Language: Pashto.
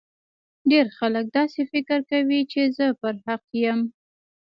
ډیر خلګ داسي فکر کوي چي زه پر حق یم